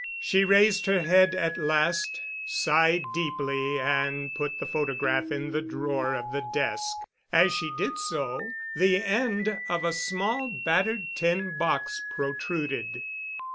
She raised her head at last, sighed deeply, and put the photograph in the drawer of the desk. As she did so, the end of a small battered tin box protruded.